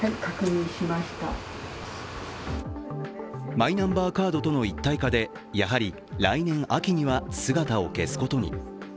マイナンバーカードとの一体化でやはり、来年秋には姿を消すことに。